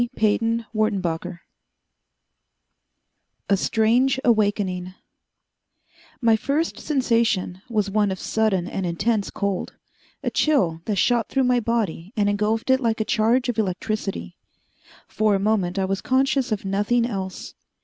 PEYTON WERTENBAKER Copyright 1929 by E. P. Inc. A Strange Awakening My first sensation was one of sudden and intense cold a chill that shot through my body and engulfed it like a charge of electricity. For a moment I was conscious of nothing else.